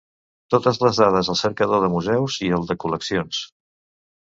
Totes les dades al cercador de museus i al de col·leccions.